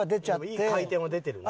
でもいい回転は出てるね。